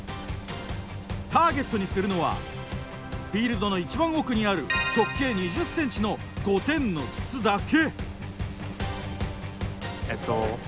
ターゲットにするのはフィールドの一番奥にある直径２０ｃｍの５点の筒だけ。